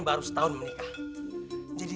baru setahun menikah jadi